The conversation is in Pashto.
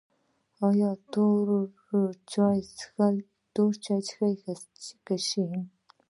ایا تور چای څښئ که شین؟